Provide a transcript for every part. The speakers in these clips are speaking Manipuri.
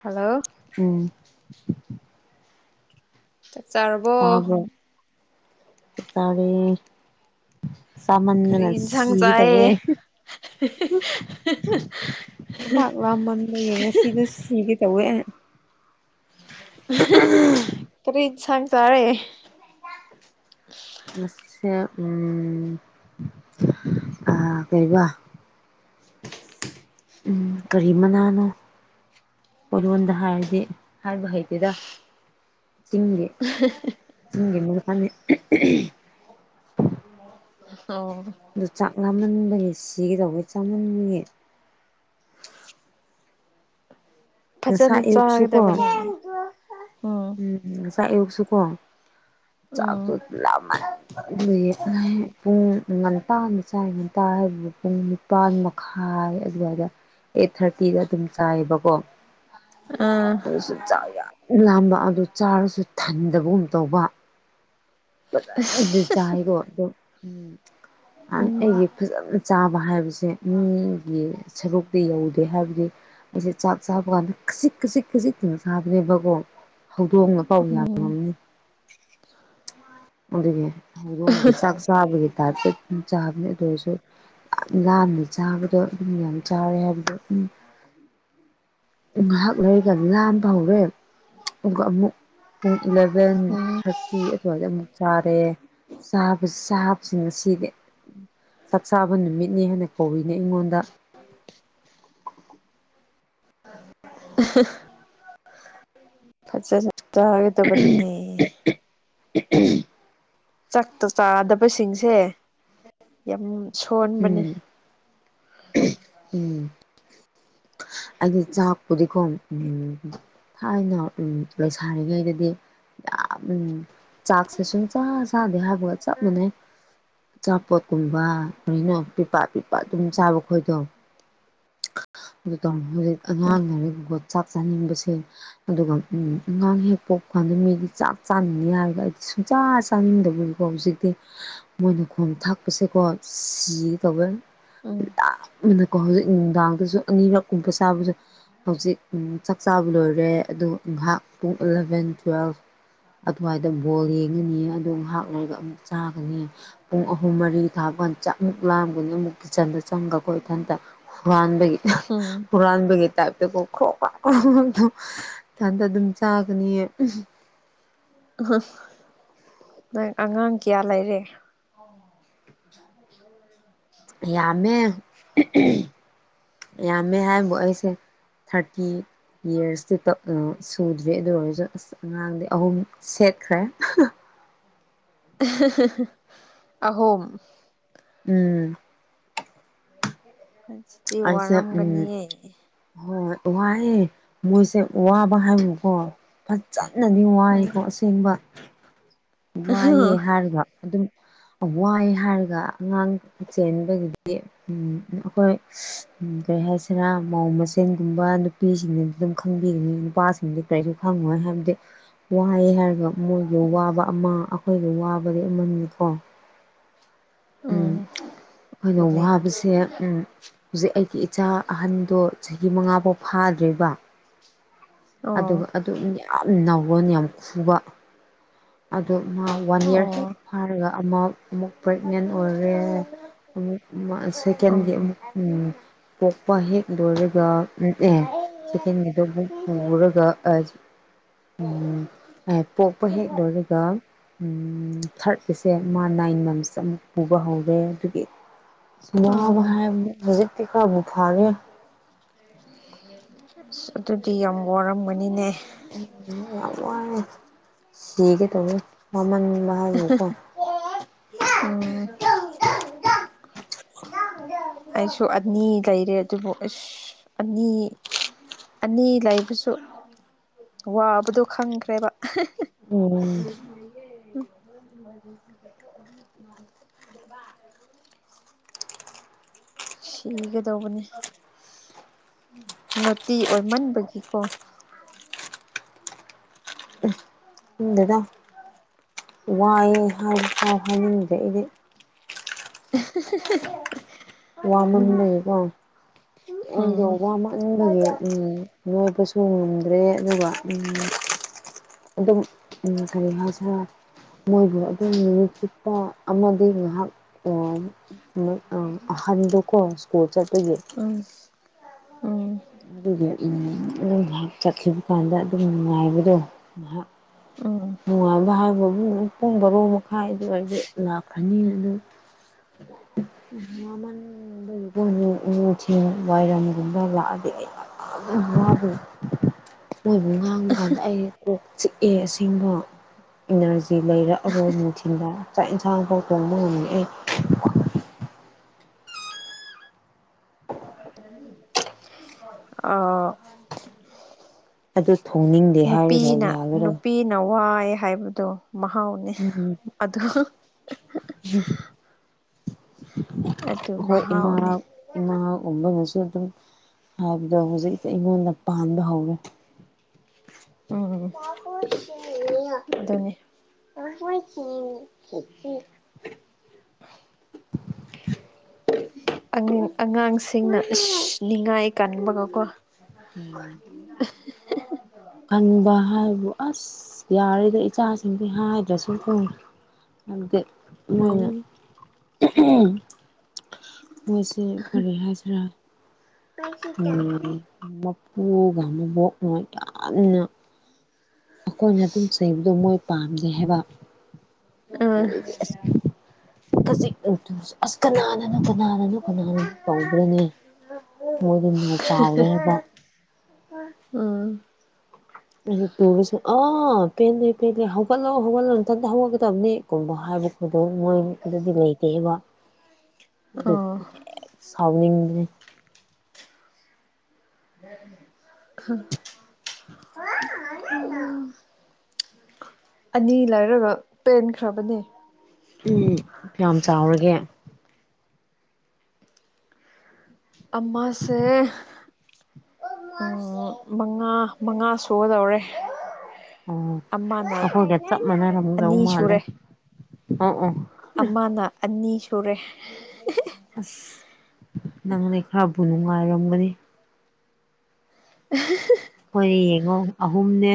ꯍꯜꯂꯣ꯫ ꯎꯝ꯫ ꯆꯥꯛ ꯆꯥꯔꯕꯣ? ꯇꯕ꯭ꯔꯣ ꯆꯥꯛ ꯆꯔꯦ ꯀꯔꯤ ꯆꯃꯟꯗꯅ ꯌꯦꯟꯁꯥꯡ ꯁꯤꯒꯦ ꯇꯧꯋꯦ ꯆꯥꯏꯌꯦ [inaudible] ꯋꯥꯃꯟꯕꯒꯤ ꯉꯁꯤꯗꯣ ꯁꯤꯒꯦ ꯇꯧꯋꯦ ꯑꯩ ꯀꯔꯤ ꯏꯁꯥꯡ ꯆꯔꯦ ꯉꯁꯤꯁꯦ ꯎꯝ ꯑ ꯀꯩꯕ ꯎꯝ ꯀꯔꯤ ꯃꯅꯥꯅꯣ ꯑꯣꯏꯔꯣꯟꯗ ꯍꯥꯏꯔꯗꯤ ꯍꯥꯏꯔꯤꯕ ꯍꯩꯇꯦꯗ ꯆꯤꯡꯒꯤ ꯎ ꯆꯤꯡꯒꯤ ꯃꯅꯥꯅꯦ [unintelligible] ꯑꯣ ꯑꯗꯨ ꯆꯥꯛ ꯂꯥꯝꯃꯟꯕꯒꯤ ꯁꯤꯒꯗꯧꯕꯩ ꯆꯥꯝꯃꯟꯕꯒꯤ ꯐꯖꯅ ꯉꯁꯥꯏ ꯑꯌꯨꯛꯁꯨ ꯀꯣ ꯆꯥꯒꯗꯕꯅꯦ ꯎꯝ ꯎꯝ ꯉꯁꯥꯏ ꯑꯌꯨꯛꯁꯨꯨ ꯀꯣ ꯆꯥꯛꯇꯣ ꯎꯝ ꯂꯥꯝꯃꯟꯕꯒꯤ ꯄꯨꯡ ꯉꯟ ꯇꯥꯟꯕ ꯆꯥꯏ ꯉꯟꯇꯥ ꯍꯥꯏꯕꯗ ꯄꯨꯡ ꯅꯤꯄꯥꯜ ꯃꯈꯥꯏ ꯑꯗꯨꯋꯥꯏꯗ ꯑꯩꯠ ꯊꯥꯔꯇꯤꯗ ꯑꯗꯨꯝ ꯆꯥꯏꯌꯦꯕꯀꯣ ꯎꯝ ꯑꯗꯨꯁꯨ ꯆꯥꯛ ꯌꯥꯝ ꯂꯥꯝꯕ ꯑꯗꯨ ꯆꯥꯔꯁꯨ ꯊꯟꯗꯕꯒꯨꯝ ꯇꯧꯕ ꯐꯖꯅꯗꯤ ꯆꯥꯏꯀꯣ ꯑꯗꯨꯝ ꯎꯝ ꯎꯝ ꯑꯩꯒꯤ ꯐꯖꯅ ꯆꯥꯕ ꯍꯥꯏꯕꯁꯦ ꯃꯤꯒꯤ ꯁꯔꯨꯛꯇꯤ ꯌꯧꯗꯦ ꯍꯥꯏꯕꯗꯤ ꯑꯩꯁꯦ ꯆꯥꯛ ꯆꯥꯕ ꯀꯥꯟꯗ ꯈꯖꯤꯛ ꯈꯖꯤꯛ ꯈꯖꯤꯛꯇ ꯁꯥꯗ꯭ꯔꯦꯕꯀꯣ ꯍꯧꯗꯣꯡꯅ ꯄꯥꯎ ꯌꯥꯝ ꯎꯝ ꯉꯝꯅꯤ ꯑꯗꯨꯒꯤ ꯍꯧꯗꯣꯡꯒꯤ ꯆꯥꯛ ꯆꯥꯕꯒꯤ ꯇꯥꯏꯞꯇ ꯆꯥꯕꯅꯦ ꯑꯗꯨ ꯑꯣꯏꯔꯁꯨ ꯌꯥꯝ ꯂꯥꯟꯅ ꯆꯥꯕꯗꯣ ꯑꯗꯨꯝ ꯌꯥꯝ ꯆꯥꯎꯔꯦ ꯍꯥꯏꯕꯗꯣ ꯎꯝ ꯉꯥꯏꯍꯥꯛ ꯂꯩꯔꯒ ꯂꯥꯝꯕ ꯍꯧꯔꯦ ꯑꯗꯨꯒ ꯑꯃꯨꯛ ꯄꯨꯡ ꯏꯂꯚꯦꯟ ꯊꯥꯔꯇꯤ ꯑꯗꯨꯋꯥꯏꯗ ꯑꯃꯨꯛ ꯆꯥꯔꯦ ꯆꯥꯕꯁꯤ ꯆꯥꯕꯁꯤ ꯉꯁꯤꯗꯤ ꯆꯥꯛꯆꯥꯥꯕ ꯅꯨꯃꯤꯠꯅꯤ ꯍꯥꯏꯅ ꯀꯧꯔꯤꯅꯤ ꯑꯩꯉꯣꯟꯗ [unintelligible] ꯐꯖꯅ ꯆꯥꯒꯦ ꯇꯧꯕꯅꯤ ꯆꯛꯇ ꯆꯥꯗꯕꯁꯤꯡꯁꯦ ꯌꯥꯝ ꯁꯣꯟꯕꯅꯦ ꯎꯝ ꯎꯝ ꯑꯩꯗꯤ ꯆꯥꯛꯄꯨꯗꯤꯀꯣ ꯎꯝ ꯊꯥꯏꯅ ꯎꯝ ꯂꯩꯁꯥꯔꯤꯉꯩꯗꯗꯤ ꯌꯥꯝ ꯎꯝ ꯆꯥꯛꯁꯦ ꯁꯨꯡ ꯆꯥ ꯆꯥꯗꯦ ꯍꯥꯏꯕ ꯆꯞ ꯃꯥꯟꯅꯩ ꯑꯆꯥꯄꯣꯠꯀꯨꯝꯕ ꯀꯔꯤꯅꯣ ꯄꯤꯄꯥ ꯄꯤꯄ ꯑꯗꯨꯝ ꯆꯥꯕ ꯈꯣꯏꯗꯣ ꯑꯗꯨ ꯇꯧꯔ ꯍꯧꯖꯤꯛ ꯑꯉꯥꯡ ꯑꯣꯏꯔꯤꯒꯨꯝꯕꯣ ꯆꯥꯛ ꯆꯥꯅꯤꯡꯕꯁꯦ ꯑꯗꯨꯒ ꯑꯉꯥꯡ ꯍꯦꯛ ꯄꯣꯛꯄ ꯀꯥꯟꯗ ꯃꯤꯗꯤ ꯆꯥꯛ ꯆꯥꯅꯤꯡꯅꯤ ꯍꯥꯏꯔꯒ ꯑꯩꯗꯤ ꯁꯨꯡꯆꯥ ꯆꯥꯅꯤꯡꯗꯕ ꯑꯣ ꯍꯧꯖꯤꯛꯇꯤ ꯃꯣꯏꯅ ꯈꯣꯝ ꯊꯥꯛꯄꯁꯦꯀꯣ ꯁꯤꯒꯦ ꯇꯧꯋꯦ ꯎꯝ ꯌꯥꯝꯅꯀꯣ ꯍꯧꯖꯤꯛ ꯅꯨꯡꯗꯥꯡꯗꯁꯨ ꯑꯅꯤꯔꯛꯀꯨꯝꯕ ꯆꯥꯕꯁꯨ ꯍꯧꯖꯤꯛ ꯎꯝ ꯆꯥꯛ ꯆꯥꯕ ꯂꯣꯏꯔꯦ ꯑꯗꯨ ꯉꯍꯥꯛ ꯄꯨꯡ ꯑꯦꯂꯚꯦꯟ ꯇꯨꯋꯦꯜꯐ ꯑꯗꯨꯋꯥꯏꯗ ꯕꯣꯜ ꯌꯦꯡꯉꯅꯤ ꯑꯗꯨ ꯉꯍꯥꯛ ꯂꯩꯔꯒ ꯑꯃꯨꯛ ꯆꯥꯒꯅꯤ ꯄꯨꯡ ꯑꯍꯨꯝ ꯃꯔꯤ ꯊꯥꯕꯄꯥꯟꯗ ꯆꯥꯛꯃꯨꯛ ꯂꯥꯝꯒꯅꯤ ꯑꯃꯨꯛ ꯀꯤꯠꯆꯟꯗ ꯆꯪꯒꯀꯣ ꯏꯊꯟꯇ ꯍꯨꯔꯥꯟꯕꯒꯤ ꯎꯝ ꯍꯨꯔꯥꯟꯕꯒꯤ ꯇꯥꯏꯞꯇ ꯀꯣ ꯈ꯭ꯔꯣ ꯀꯣ ꯇꯧ ꯊꯟꯗ ꯑꯗꯨꯝ ꯆꯥꯒꯅꯤꯌꯦ ꯅꯪ ꯑꯉꯥꯡ ꯀꯌꯥ ꯂꯩꯔꯦ? ꯑ ꯌꯥꯝꯃꯦ ꯌꯥꯝꯃꯦ ꯍꯥꯏꯕꯨ ꯑꯩꯁꯦ ꯊꯥꯔꯇꯤ ꯌꯔꯁꯇꯤ ꯇꯣꯛ ꯑ ꯁꯨꯗ꯭ꯔꯤ ꯑꯗꯨ ꯑꯣꯏꯔꯁꯨ ꯑꯁ ꯑꯉꯥꯡꯗꯤ ꯑꯍꯨꯝ ꯁꯦꯠꯈ꯭ꯔꯦ ꯑꯍꯨꯝ ꯎꯝ ꯍ ꯑꯩꯁꯦ ꯎꯝ ꯍꯣꯏ ꯋꯥꯌꯦ ꯃꯣꯏꯁꯦ ꯋꯥꯕ ꯍꯥꯏꯕꯨꯀꯣ ꯐꯖꯅꯗꯤ ꯎꯝ ꯋꯥꯏꯀꯣ ꯑꯁꯦꯡꯕ ꯑꯍ ꯋꯥꯏꯌꯦ ꯍꯥꯏꯔꯒ ꯑꯗꯨꯝ ꯋꯥꯏ ꯍꯥꯏꯔꯒ ꯑꯉꯥꯡ ꯆꯦꯟꯕꯒꯤꯗꯤ ꯎꯝ ꯑꯩꯈꯣꯏ ꯀꯩ ꯍꯥꯏꯁꯤꯔꯥ ꯃꯧ ꯃꯁꯦꯜꯒꯨꯝꯕ ꯅꯨꯄꯤꯁꯤꯡꯅ ꯑꯗꯨꯝ ꯈꯪꯕꯤꯒꯅꯤ ꯅꯨꯄꯥꯁꯤꯡꯗꯤ ꯀꯔꯤꯁꯨ ꯈꯪꯉꯣꯏ ꯍꯥꯏꯕꯗꯤ ꯋꯥꯏ ꯍꯥꯏꯔꯒ ꯃꯣꯏꯒꯤ ꯋꯥꯕ ꯑꯃ ꯑꯩꯈꯣꯏꯒꯤ ꯋꯥꯕꯗꯤ ꯑꯃꯅꯤꯀꯣ ꯎꯝ ꯈꯣꯏꯅ ꯑꯗꯨꯅꯦ ꯋꯥꯕꯁꯦ ꯎꯝ ꯍꯧꯖꯤꯛ ꯑꯩꯒꯤ ꯏꯆꯥ ꯑꯍꯟꯗꯣ ꯆꯍꯤ ꯃꯉꯥꯐꯥꯎ ꯐꯥꯗ꯭ꯔꯤꯕ ꯑꯣ ꯑꯗꯨꯒ ꯑꯗꯨꯝ ꯌꯥꯝ ꯅꯥꯎꯔꯣꯟ ꯌꯥꯝ ꯈꯨꯕ ꯑꯗꯨ ꯃꯥ ꯋꯥꯟ ꯌꯥꯔ ꯑꯣ ꯍꯦꯛ ꯐꯥꯔꯒ ꯑꯃꯨꯛ ꯑꯃꯨꯛ ꯄ꯭ꯔꯦꯒꯅꯦꯟ ꯑꯣꯏꯔꯦ꯫ ꯑꯃꯨꯛ ꯑꯃ ꯁꯦꯀꯦꯟꯒꯤ ꯎꯝ ꯑꯃꯨꯛ ꯑꯁ ꯎꯝ ꯄꯣꯛꯄ ꯍꯦꯛ ꯂꯣꯏꯔꯒ ꯑꯦ ꯁꯦꯀꯦꯟꯒꯤꯗꯣ ꯃꯨꯛ ꯄꯨꯔꯒ ꯑ ꯄꯣꯛꯄ ꯍꯦꯛ ꯂꯣꯏꯔꯒ ꯊꯥꯔꯠ ꯀꯤꯁꯦ ꯃꯥ ꯅꯥꯏꯟ ꯃꯟꯁ ꯑꯃꯨꯛ ꯄꯨꯕ ꯍꯧꯔꯦ ꯑꯗꯨꯒꯤ ꯋꯥꯠ ꯍꯥꯏꯕꯕꯨ ꯍꯧꯖꯤꯛꯇꯤ ꯈꯔꯕꯨ ꯐꯥꯔꯦ꯫ ꯁ ꯑꯗꯨꯗꯤ ꯌꯥꯝ ꯋꯥꯔꯝꯒꯅꯤꯅꯦ ꯎꯝ ꯌꯥꯝ ꯋꯥꯏꯑꯦ ꯁꯤꯒꯦ ꯇꯧꯋꯦ ꯋꯥꯃꯟꯕ ꯍꯥꯏꯕꯀꯣ ꯎꯝ ꯑꯩꯁꯨ ꯑꯅꯤ ꯂꯩꯔꯦ ꯑꯗꯨꯕꯨ ꯑꯁ ꯑꯅꯤ ꯑꯅꯤ ꯂꯩꯕꯁꯨ ꯋꯥꯕꯗꯣ ꯈꯪꯈ꯭ꯔꯦꯕ ꯎꯝ ꯁꯤꯒꯗꯧꯕꯅꯦ ꯅꯣꯇꯤ ꯑꯣꯏꯃꯟꯕꯒꯤꯀꯣ꯫ ꯈꯪꯗ꯭ꯔꯦꯗ ꯋꯥꯏꯌꯦ ꯍꯥꯏꯕꯐꯥꯎ ꯍꯥꯏꯅꯤꯡꯗ꯭ꯔꯦ ꯑꯩꯗꯤ ꯎꯝ ꯋꯥꯃꯟꯕꯒꯤꯀꯣ ꯑꯗꯣ ꯋꯥꯃꯟꯕꯒꯤ ꯎꯝ ꯅꯣꯏꯕꯁꯨ ꯉꯝꯗ꯭ꯔꯦ ꯑꯗꯨꯒ ꯎꯝ ꯑꯗꯨꯝ ꯎꯝ ꯀꯔꯤ ꯍꯥꯥꯏꯁꯤꯔ ꯃꯣꯏꯕꯨ ꯑꯗꯨꯝ ꯅꯨꯃꯤꯠ ꯆꯨꯞꯄ ꯑꯃꯗꯤ ꯉꯥꯏꯍꯥꯛ [unintelligible] ꯑꯍꯥꯟꯗꯣꯀꯣ ꯁ꯭ꯀꯣꯜ ꯆꯠꯄꯒꯤ꯫ ꯎꯝ ꯎꯝ ꯎꯝ ꯑꯗꯨꯒꯤ ꯎꯝ ꯉꯍꯥꯛ ꯆꯠꯈꯤꯕ ꯀꯥꯟꯗ ꯑꯗꯨꯝ ꯅꯨꯡꯉꯥꯏꯕꯗꯣ ꯉꯍꯥꯛ ꯎꯝ ꯅꯨꯡꯉꯥꯏꯕ ꯍꯥꯏꯕꯕꯨ ꯄꯣꯡ ꯕꯥꯔꯣ ꯃꯈꯥꯏꯗ [unintelligible] ꯑꯩꯗ ꯂꯥꯛꯈꯅꯤ ꯑꯗꯨ [inaudible] ꯋꯥꯃꯟꯕꯒꯤꯀꯣ ꯅꯨꯡ ꯅꯨꯡꯊꯤꯟ ꯋꯥꯏꯔꯝꯒꯨꯝꯕ ꯂꯥꯛ ꯑꯗꯤ [unintelligible] ꯃꯣꯏꯕꯨ ꯉꯥꯡꯕ ꯀꯥꯟꯗ ꯑꯩ ꯀꯣꯛ ꯆꯤꯛꯑꯦ ꯑꯁꯤ [unintelligible] ꯏꯅꯔꯖꯤ ꯂꯩꯔꯛꯑꯔꯣꯏ ꯅꯨꯡꯊꯤꯟꯗ ꯆꯥꯛ ꯏꯟꯁꯥꯡꯐꯥꯎ ꯇꯣꯡꯕ ꯉꯝꯃꯛꯑꯦ ꯑꯥꯎ ꯑꯗꯨ ꯊꯣꯡꯅꯤꯡꯗꯦ ꯍꯥꯏꯔꯔꯥ ꯌꯥꯒꯦꯔꯥ꯫ ꯅꯋꯥꯏ ꯍꯥꯏꯕꯗꯣ꯫ ꯃꯍꯥꯎꯅꯤ ꯎꯝ ꯑꯗꯣ ꯫ ꯑꯗꯨ ꯑꯩꯈꯣꯏ ꯏꯃꯥ ꯃꯍꯥꯎꯅꯤ꯫ ꯏꯃꯥꯒꯨꯝꯕꯅꯁꯨ ꯑꯗꯨꯝ ꯍꯥꯏꯕꯗꯣ ꯍꯧꯖꯤꯛꯇꯤ ꯑꯩꯉꯣꯟꯗ ꯄꯥꯟꯕ ꯍꯧꯔꯦ꯫ ꯎꯝ ꯑꯗꯨꯅꯤ ꯫ ꯑ ꯍꯣꯏ [unintelligible] ꯑꯉꯤ ꯑꯉꯥꯡꯁꯤꯡꯅ ꯏꯁ ꯅꯤꯡꯉꯥꯏ ꯀꯥꯟꯕꯒꯀꯣ꯫ ꯎꯝ ꯀꯟꯕ ꯍꯥꯏꯕꯨ ꯑꯁ ꯌꯥꯔꯤꯗꯥ ꯏꯆꯥꯁꯤꯡꯗꯤ ꯍꯥꯏꯗ꯭ꯔꯁꯨꯨꯀꯣ ꯫ ꯍꯥꯏꯕꯗꯤ ꯫ ꯃꯣꯏꯅ ꯎꯝ ꯃꯣꯏꯁꯦ ꯀꯔꯤ ꯍꯥꯏꯁꯤꯔꯥ꯫ ꯎꯝ ꯃꯄꯨꯒ ꯃꯕꯣꯛꯅ ꯌꯥꯝꯅ꯫ ꯈꯣꯏꯅ ꯑꯗꯨꯝ ꯆꯩꯕꯗꯣ ꯃꯣꯏ ꯄꯥꯝꯗꯦ ꯍꯥꯏꯕ ꯃꯣꯏꯗꯤ ꯑꯁ ꯈꯖꯤꯛꯇꯪ ꯇꯨꯕꯁꯦ ꯑꯁ ꯀꯅꯥꯅꯅꯣ ꯀꯟ ꯅꯥꯅꯅꯣ ꯀꯅꯥꯅꯅꯣ ꯇꯧꯗꯣꯏꯅꯦ ꯃꯣꯏꯗꯤ ꯅꯥꯎ ꯆꯥꯎꯔꯦ ꯍꯥꯏꯕ꯫ ꯍꯥ ꯎꯝ ꯑꯗꯨ ꯇꯨꯔꯁꯨ ꯑꯥ ꯄꯦꯟꯂꯦ ꯄꯦꯟꯂꯦ ꯍꯧꯒꯠꯂꯣ ꯍꯧꯒꯠꯂꯣ ꯅꯟꯊꯟꯇ ꯍꯧꯒꯠꯀꯗꯕꯅꯤ꯫ ꯀꯨꯝꯕ ꯍꯥꯏꯕ ꯈꯣꯏꯗꯣ ꯃꯣꯏꯗꯗꯤ ꯂꯩꯇꯦꯕ꯫ [inaudible] ꯗꯨ ꯍꯦꯛ ꯁꯥꯎꯅꯤꯡꯕꯅꯦ꯫ ꯈꯡ ꯑꯥ ꯑꯅꯤ ꯂꯩꯔꯒ ꯄꯦꯟꯈ꯭ꯔꯕꯅꯦ꯫ ꯎꯝ ꯀꯌꯥꯝ ꯆꯥꯎꯔꯒꯦ? ꯑꯃꯥꯁꯦ ꯎ ꯃꯉꯥ ꯃꯉꯥ ꯁꯨꯒꯗꯧꯔꯦ꯫ ꯑꯣ ꯑꯃꯅ ꯑꯈꯣꯏꯒ ꯆꯞ ꯃꯥꯟꯅꯔꯝꯒꯧ ꯑꯅꯤ ꯃꯥꯜꯂꯦ ꯑꯣ ꯑꯣ ꯑꯃꯥꯅ ꯑꯅꯤ ꯁꯨꯔꯦ꯫ ꯑꯁ ꯅꯪꯅꯤ ꯈꯔꯕꯨ ꯅꯨꯡꯉꯥꯏꯔꯝꯒꯅꯤ꯫ [inaudible] ꯑꯈꯣꯏ ꯌꯦꯡꯉꯣ ꯑꯍꯨꯝꯅꯦ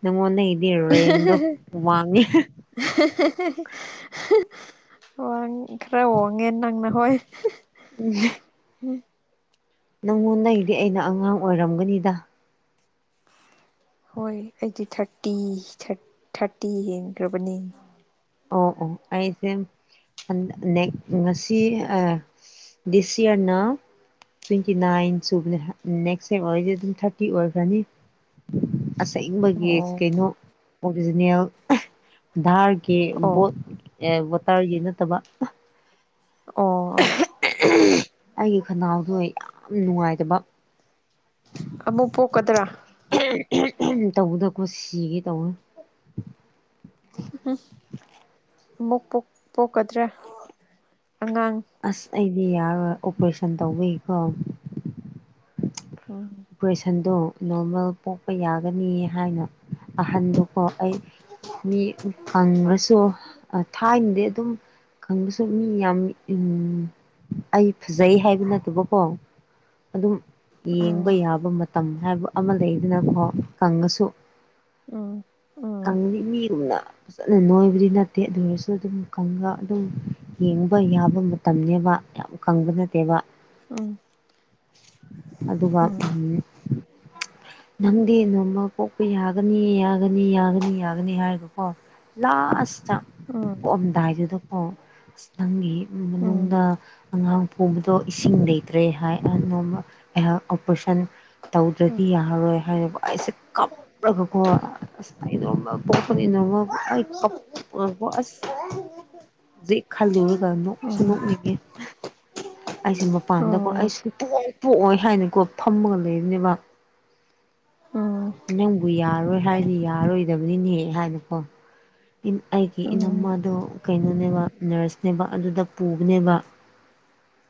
ꯅꯉꯣꯟꯗꯒꯤꯗꯤ ꯔꯦꯡꯗꯣ ꯋꯥꯡꯉꯦ꯫ ꯋꯥꯡ ꯈꯔ ꯋꯥꯡꯉꯦ ꯅꯪꯅ ꯍꯣꯏ꯫ ꯍ ꯎꯝ ꯍꯨꯝ ꯅꯪꯉꯣꯟꯗꯒꯤꯗꯤ ꯑꯩꯅ ꯑꯉꯥꯡ ꯑꯣꯏꯔꯝꯒꯅꯤꯗ꯫ ꯍꯣꯏ ꯑꯩꯗꯤ ꯊꯔꯇꯤ ꯊꯔꯠ ꯊꯔꯇꯤ ꯍꯦꯟꯈ꯭ꯔꯕꯅꯤ꯫ ꯑꯣ ꯑꯣ ꯑꯩꯁꯦ ꯍꯟ ꯅꯦꯛ ꯉꯁꯤ ꯑ ꯗꯤꯁ ꯏꯌꯔꯅꯥ꯫ ꯇ꯭ꯋꯦꯟꯇꯤ ꯅꯥꯏꯟ ꯁꯨꯕꯅꯦ ꯅꯦꯛꯁ ꯇꯝ ꯑꯣꯏꯔꯗꯤ ꯗꯨꯝ ꯊꯔꯇꯤ ꯑꯣꯏꯈ꯭ꯔꯅꯤ꯫ ꯑꯁꯦꯡꯕꯒꯤ ꯑꯣ ꯀꯩꯅꯣ ꯑꯣꯔꯤꯖꯤꯅꯦꯜ ꯙꯥꯔ ꯀꯤ ꯑꯣ ꯕꯣꯠ ꯑꯦ ꯕꯣꯇꯔꯒꯤ ꯅꯠꯇꯕ꯫ ꯑꯣ ꯑꯣ ꯑꯩꯒꯤ ꯈꯅꯥꯎꯗꯨ ꯌꯥꯝ ꯅꯨꯡꯉꯥꯏꯇꯕ꯫ ꯑꯃꯨꯛ ꯄꯣꯛꯀꯗ꯭ꯔꯥ ꯇꯧꯕꯗꯣ ꯀꯨꯁꯤꯒꯤ ꯇꯧꯅꯤ ꯑꯃꯨꯛ ꯄꯣꯛ ꯄꯣꯛꯀꯗ꯭ꯔ ꯑꯉꯥꯡ ꯑꯁ ꯑꯩꯗꯤ ꯌꯥꯔꯣꯏ ꯑꯣꯄ꯭ꯔꯦꯁꯟ ꯇꯧꯕꯩꯀꯣ [unintelligible] ꯄ꯭ꯔꯦꯁꯟꯗꯣ ꯅꯣꯔꯃꯦꯜ ꯄꯣꯛꯄ ꯌꯥꯒꯅꯤ ꯍꯥꯏꯅ ꯑꯍꯟꯗꯨꯀꯣ ꯑꯩ ꯃꯤ ꯀꯪꯔꯁꯨ ꯊꯥꯏꯅꯗꯤ ꯑꯗꯨꯝ ꯈꯪꯕꯁꯨ ꯃꯤ ꯌꯥꯝ ꯎꯝ ꯑꯩ ꯐꯖꯩ ꯍꯥꯏꯕ ꯅꯠꯇꯕꯀꯣ ꯑꯗꯨꯝ ꯌꯦꯡ ꯎꯝ ꯇꯧꯕ ꯌꯥꯕ ꯃꯇꯝ ꯍꯥꯏꯕ ꯑꯃ ꯂꯩꯗꯅꯀꯣ ꯀꯪꯉꯁꯨ ꯎꯝ [unintelligible] ꯎꯝ ꯐꯖꯅ ꯅꯣꯏꯕꯗꯤ ꯅꯠꯇꯦ ꯑꯗꯨ ꯑꯣꯏꯔꯁꯨ ꯑꯗꯨꯝ ꯀꯪꯉ ꯑꯗꯨꯝ ꯌꯦꯡꯕ ꯌꯥꯕ ꯃꯇꯝꯅꯦꯕ ꯌꯥꯝ ꯀꯪꯕ ꯅꯠꯇꯦꯕ ꯎꯝ ꯑꯗꯨꯒ ꯎꯝ ꯅꯪꯗꯤ ꯅꯣꯔꯃꯦꯜ ꯄꯣꯛꯄ ꯌꯥꯒꯅꯤ ꯌꯥꯒꯅꯤ ꯌꯥꯒꯅꯤ ꯌꯥꯒꯅꯤ ꯍꯥꯏꯔꯒꯀꯣ ꯂꯥꯁꯇ ꯎꯝ ꯄꯣꯛꯑꯝꯗꯥꯏꯖꯤꯗ ꯀꯣ ꯑꯁ ꯅꯪꯒꯤ ꯎꯝ ꯃꯅꯨꯡꯗ ꯑꯉꯥꯡ ꯄꯣꯕꯗꯣ ꯏꯁꯤꯡ ꯂꯩꯇ꯭ꯔꯦ ꯍꯥꯏ ꯅꯣꯃ ꯑꯩꯌꯥ ꯑꯣꯄ꯭ꯔꯦꯁꯟ ꯎꯝ ꯇꯧꯗ꯭ꯔꯗꯤ ꯌꯥꯔꯔꯣꯏ ꯍꯥꯏꯔꯦꯕ ꯑꯩꯁꯦ ꯀꯞꯔꯒꯀꯣ ꯑꯩ ꯅꯣꯔꯃꯦꯜ ꯄꯣꯛꯀꯅꯤ ꯎꯝ ꯎꯝ ꯅꯣꯔꯃꯦꯜ ꯑꯩ ꯀꯞꯄꯒꯀꯣ ꯖꯤꯛ ꯑꯣ ꯈꯜꯂꯨꯔꯒ ꯅꯣꯛꯁꯨ ꯅꯣꯛꯅꯤꯡꯉꯦ ꯑꯩꯁꯦ ꯃꯄꯥꯟꯗꯀꯣ ꯑꯩ ꯁꯨꯄꯣꯛ ꯄꯣꯛꯑꯣꯏ ꯍꯥꯏꯅꯀꯣ ꯐꯝꯃꯒ ꯂꯩꯕꯅꯦꯕ ꯎꯝ ꯅꯪꯕꯨ ꯌꯥꯔꯣꯏ ꯍꯥꯏꯔꯗꯤ ꯌꯥꯔꯣꯏꯗꯕꯅꯤꯅꯦꯍꯦ ꯍꯥꯏꯅꯀꯣ ꯏꯟ ꯑꯩꯒꯤ ꯏꯅꯝꯃꯗꯣ ꯀꯩꯅꯣꯅꯦꯕ ꯅꯔꯁꯅꯦꯕ ꯑꯗꯨꯗ ꯄꯨꯕꯅꯦꯕ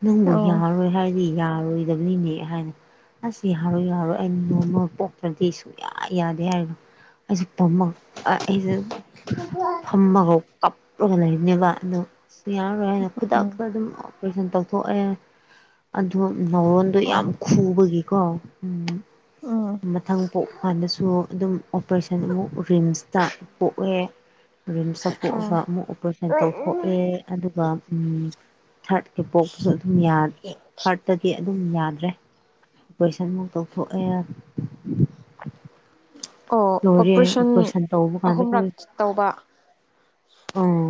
ꯅꯪꯕꯨ ꯌꯥꯔꯣꯏ ꯍꯥꯏꯔꯗꯤ ꯌꯥꯔꯣꯏꯗꯕꯅꯤꯅꯦ ꯍꯥꯏꯅ ꯑꯁ ꯌꯥꯔꯣꯏ ꯌꯥꯔꯣꯏ ꯑꯩ ꯅꯣꯔꯃꯜ ꯄꯣꯛꯇ꯭ꯔꯗꯤ ꯁꯨꯡꯌꯥ ꯌꯥꯗꯦ ꯍꯥꯏꯅ ꯑꯩꯖꯦ ꯄꯝꯃꯛ ꯑ ꯑꯩꯖꯦ ꯐꯝꯃꯒ ꯀꯞꯔꯒ ꯂꯩꯔꯤꯅꯦꯕ ꯑꯗꯣ ꯑꯁ ꯌꯥꯔꯣꯏ ꯍꯥꯏꯅ ꯈꯨꯗꯛꯇ ꯑꯗꯨꯝ ꯑꯣꯄ꯭ꯔꯦꯁꯟ ꯇꯧ ꯊꯣꯛꯑꯦ ꯑꯗꯣ ꯅꯥꯎꯔꯣꯟꯗꯣ ꯌꯥꯝ ꯈꯨꯕꯒꯤꯀꯣ ꯎ ꯃꯊꯪ ꯄꯣꯛꯄ ꯀꯥꯟꯗꯁꯨ ꯑꯗꯨꯝ ꯑꯣꯄ꯭ꯔꯦꯁꯟ ꯑꯃꯨꯛ ꯔꯤꯝꯁꯇ ꯄꯣꯛꯂꯦ ꯔꯤꯝꯁꯇ ꯄꯣꯛꯑꯒ ꯑꯃꯨꯛ ꯑꯣꯄ꯭ꯔꯦꯁꯟ ꯇꯧꯊꯣꯛꯑꯦ ꯑꯗꯨꯒ ꯎꯝ ꯊꯥꯔꯠꯀꯤ ꯄꯣꯛ ꯨꯄꯖꯨ ꯑꯗꯨꯝ ꯌꯥ ꯊꯥꯔꯠꯇꯗꯤ ꯑꯗꯨꯝ ꯌꯥꯗ꯭ꯔꯦ ꯑꯣꯄ꯭ꯔꯦꯁꯟ ꯃꯨꯛ ꯇꯧꯊꯣꯛꯑꯦ ꯑꯣ ꯂꯣꯏꯔꯦ ꯑꯣꯄ꯭ꯔꯦꯁꯟ ꯑꯣꯄꯔꯦꯁꯟ ꯇꯧꯕ ꯀꯥꯟꯗ ꯑꯍꯨꯝꯔꯛ ꯇꯧꯕ ꯎꯝ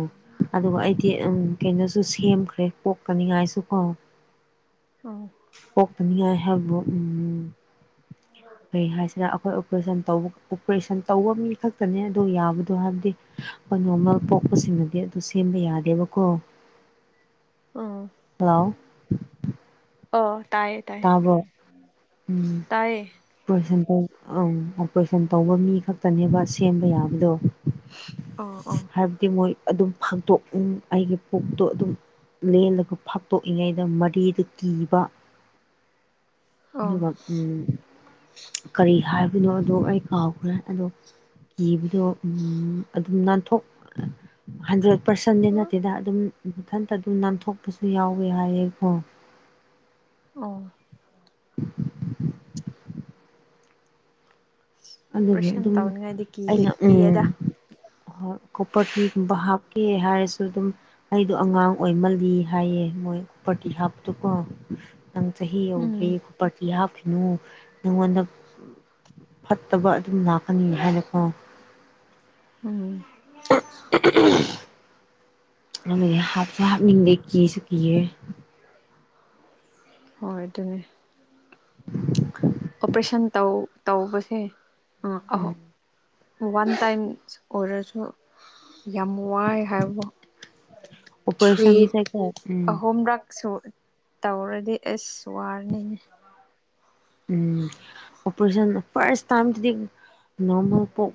ꯑꯗꯨꯒ ꯑꯩꯗꯤ ꯎꯝ ꯀꯩꯅꯣꯁꯨ ꯁꯦꯝꯈ꯭ꯔꯦ ꯄꯣꯛꯀꯅꯤꯉꯥꯏꯁꯨ ꯀꯣ [unintelligible] ꯄꯣꯛꯇꯅꯤꯉꯥꯏ ꯍꯥꯏꯕꯣ ꯎꯝ ꯀꯩ ꯍꯥꯏꯁꯤꯔ ꯑꯈꯣꯏ ꯑꯣꯄ꯭ꯔꯦꯁꯟ ꯇꯧꯕ ꯑꯣꯄ꯭ꯔꯦꯁꯟ ꯇꯧꯕ ꯃꯤ ꯈꯛꯇꯅꯦ ꯑꯗꯨ ꯌꯥꯕꯗꯣ ꯍꯥꯏꯕꯗꯤ ꯅꯣꯔꯃꯦꯜ ꯄꯣꯛꯄꯁꯤꯡꯗꯨꯗꯤ ꯑꯗꯨ ꯁꯦꯝꯕ ꯌꯥꯗꯦꯕꯀꯣ ꯑꯥ ꯍꯜꯂꯣ ꯑꯣ ꯇꯥꯏꯌꯦ ꯇꯥꯏꯌꯦ ꯇꯥꯕ꯭ꯔꯣ ꯎꯝ ꯇꯥꯏꯌꯦ ꯑꯣꯄ꯭ꯔꯦꯁꯟ ꯇꯧ ꯑꯪ ꯑꯣꯄ꯭ꯔꯦꯁꯟ ꯇꯧꯕ ꯃꯤ ꯈꯛꯇꯅꯦꯕ ꯁꯦꯝꯕ ꯌꯥꯕꯗꯣ ꯑꯣ ꯑꯣ ꯍꯥꯏꯕꯗꯤ ꯃꯣꯏ ꯑꯗꯨꯝ ꯐꯥꯡꯗꯣꯛ ꯎ ꯑꯩꯒꯤ ꯄꯨꯛꯇꯣ ꯑꯗꯨꯝ ꯂꯦꯜꯂꯒ ꯐꯥꯛꯇꯣꯛꯏꯉꯩꯗ ꯃꯔꯤꯗ ꯀꯤꯕ ꯑꯣ ꯑꯣ ꯑꯗꯨꯒ ꯎꯝ ꯀꯔꯤ ꯍꯥꯏꯕꯅꯣ ꯑꯗꯣ ꯑꯩ ꯀꯥꯎꯈ꯭ꯔꯦ ꯑꯗꯣ ꯀꯤꯕꯗꯣ ꯑꯗꯨꯝ ꯅꯥꯟꯊꯣꯛ ꯍꯟꯊꯔꯛ ꯄꯔꯁꯟꯗꯤ ꯅꯠꯇꯦꯗ ꯑꯗꯨꯝ ꯃꯊꯟꯇ ꯑꯗꯨꯝ ꯅꯥꯟꯊꯣꯛꯄꯁꯨ ꯌꯥꯎꯋꯦ ꯍꯥꯏꯌꯦꯀꯣ ꯑꯣ ꯑꯗꯨꯒꯤ ꯑꯣꯄ꯭ꯔꯦꯁꯟ ꯑꯗꯨꯝ ꯇꯧꯅꯤꯡꯉꯥꯏꯗꯤ ꯀꯤꯗꯦ ꯑꯩꯅ ꯎꯝ ꯀꯤꯌꯦꯗ ꯍꯣꯏ ꯀꯣꯞꯄꯔ ꯇꯤꯒꯨꯝꯕ ꯍꯥꯞꯀꯦ ꯍꯥꯏꯔꯁꯨ ꯑꯗꯨꯝ ꯑꯩꯗꯣ ꯑꯉꯥꯡ ꯑꯣꯏꯃꯜꯂꯤ ꯍꯥꯏꯌꯦ ꯃꯣꯏ ꯀꯣꯞꯄꯔ ꯇꯤ ꯍꯥꯞꯄꯗꯨꯀꯣ ꯅꯪ ꯆꯍꯤ ꯌꯧꯗ꯭ꯔꯤ ꯎꯝ ꯀꯣꯞꯄꯔ ꯇꯤ ꯍꯥꯞꯈꯤꯅꯨ ꯅꯪꯉꯣꯟꯗ ꯐꯠꯇꯕ ꯑꯗꯨꯝ ꯂꯥꯛꯀꯅꯤ ꯍꯥꯏꯅꯀꯣ ꯎꯝ ꯑꯗꯨꯒꯤ ꯍꯥꯞꯁꯨ ꯍꯥꯞꯅꯤꯡꯕꯤ ꯀꯤꯁꯨ ꯀꯤꯌꯦ ꯍꯣꯏ ꯑꯗꯨꯅꯦ [inaudible] ꯑꯣꯄ꯭ꯔꯦꯁꯟ ꯇꯧ ꯇꯧꯕꯁꯦ ꯑ ꯑꯍꯧ ꯎꯝ ꯋꯥꯟ ꯇꯥꯏꯝꯁ ꯑꯣꯔꯁꯨ ꯌꯥꯝ ꯋꯥꯏ ꯍꯥꯏꯕꯣ ꯊ꯭ꯔꯤꯠ ꯑꯣꯄꯔꯦꯁꯟꯁꯦꯀꯣ ꯎꯝ ꯑꯍꯨꯝ ꯔꯛꯁꯨ ꯇꯧꯔꯗꯤ ꯑꯁ ꯋꯥꯔꯅꯤꯡ ꯎꯝ ꯑꯣꯄ꯭ꯔꯦꯁꯟ ꯐꯥꯔꯁ ꯇꯥꯏꯝꯗꯤ ꯅꯣꯔꯃꯦꯜ ꯄꯣꯛ